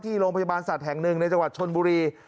ที่โรงพยาบาลสัตว์แห่ง๑ในจังหวัดชนบุรี